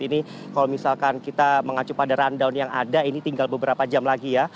ini kalau misalkan kita mengacu pada rundown yang ada ini tinggal beberapa jam lagi ya